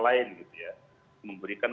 lain gitu ya memberikan